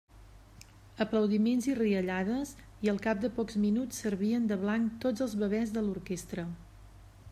Aplaudiments i riallades, i al cap de pocs minuts servien de blanc tots els bebès de l'orquestra.